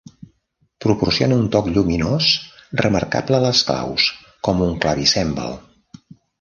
Proporciona un toc lluminós remarcable a les claus, com un clavicèmbal.